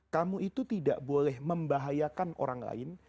kamu itu tidak boleh membahayakan orang lain